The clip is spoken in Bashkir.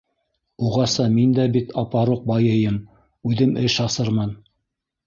- Уғаса мин дә бит апаруҡ байыйым - үҙем эш асырмын.